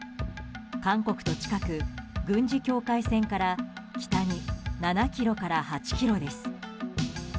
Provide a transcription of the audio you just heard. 韓国と近く軍事境界線から北に７ｋｍから８ｋｍです。